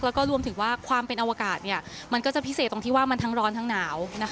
แล้วก็รวมถึงว่าความเป็นอวกาศมันก็จะพิเศษตรงที่ว่ามันทั้งร้อนทั้งหนาว